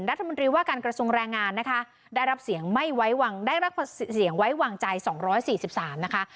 รัฐมนตรีว่าการกระทรวงแรงงานนะคะได้รับเสียงไม่ไว้วางได้รับเสียงไว้วางใจ๒๔๓นะคะ